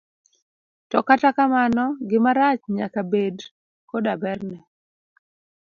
To kata kamano, gima rach nyaka bed koda berne.